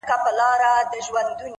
د عمل دوام شخصیت ته شکل ورکوي؛